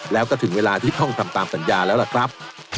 แล้วก็ถึงเวลาที่ต้องทำตามสัญญาแล้วล่ะครับ